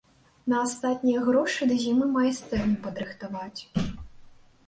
На астатнія грошы да зімы майстэрню падрыхтаваць.